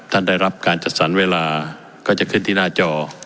ได้รับการจัดสรรเวลาก็จะขึ้นที่หน้าจอ